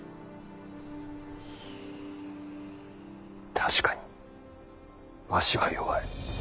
確かにわしは弱い。